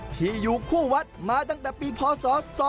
ที่อยู่คู่วัดมาตั้งแต่ปีพศ๒๕๖